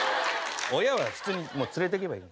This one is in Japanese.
親は普通に連れて行けばいい。